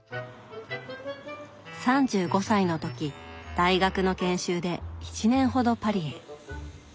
３５歳の時大学の研修で１年ほどパリへ。